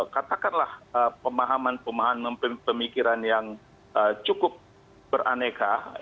katakanlah pemahaman pemahaman pemikiran yang cukup beraneka